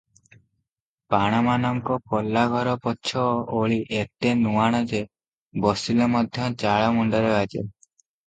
ପାଣମାନଙ୍କ ପଲାଘର ପଛ ଓଳି ଏତେ ନୁଆଣ ଯେ, ବସିଲେ ମଧ୍ୟ ଚାଳ ମୁଣ୍ଡରେ ବାଜେ ।